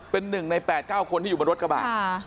เป็น๑ใน๘๙คนที่อยู่บนรถกระบะ